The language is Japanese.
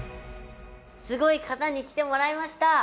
すごい方に来てもらいました！